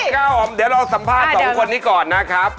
ก้าวอ๋อมเดี๋ยวเราสัมภาษณ์สองคนนี้ก่อนนะครับ